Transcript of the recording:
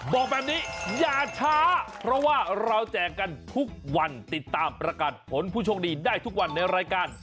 บอกแบบนี้อย่าช้าเพราะว่าเราแจกกันทุกวันติดตามประกาศผลผู้โชคดีได้ทุกวันในรายการ